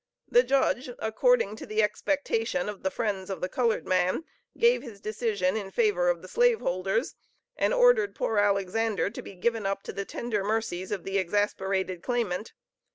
The judge, according to the expectation of the friends of the colored man, gave his decision in favor of the slave holders, and ordered poor Alexander to be given up to the tender mercies of the exasperated claimant.